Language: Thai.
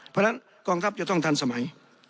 เพราะฉะนั้นกองทัพจะต้องทันสมัย